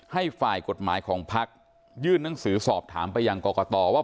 ให้ฝ่ายกฎหมายของพลักษณ์ยื่นนังสือสอบถามไปอย่างก่อก่อต่อว่า